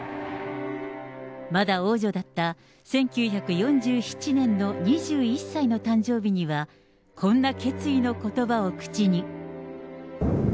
まだ王女だった１９４７年の２１歳の誕生日には、こんな決意のことばを口に。